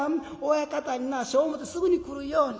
親方にな証文持ってすぐに来るように。